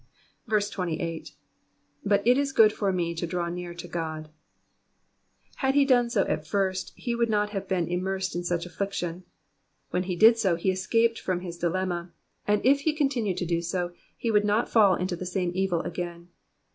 28. ''But it is good for me to draw near to God,'''' Had he done so at first he would not have been immersed in such affliction ; when he did so he escaped from his dilemma, and if he continued to do so he would not fall into the same evil again.